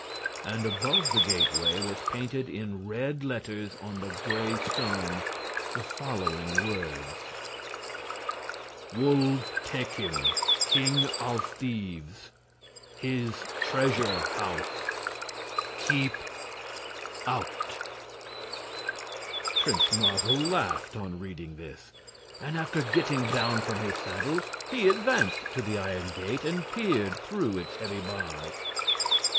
And above the gateway was painted in red letters on the gray stone the following words: WUL TAKIM KING OF THIEVES HIS TREASURE HOUSE KEEP OUT Prince Marvel laughed on reading this, and after getting down from his saddle he advanced to the iron gate and peered through its heavy bars.